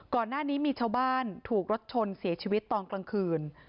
ก่อนหน้านี้มีชาวบ้านถูกรถชนเสียชีวิตตอนกลางคืน